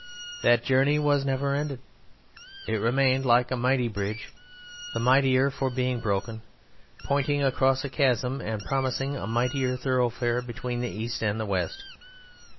That journey was never ended. It remains like a mighty bridge, the mightier for being broken, pointing across a chasm, and promising a mightier thoroughfare between the east and west.